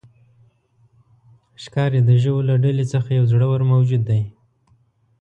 ښکاري د ژویو له ډلې څخه یو زړور موجود دی.